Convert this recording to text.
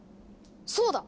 そうだ！